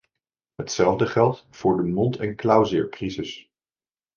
Hetzelfde geldt voor de mond- en klauwzeercrisis.